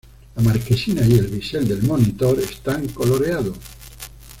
La marquesina y el bisel del monitor están coloreados.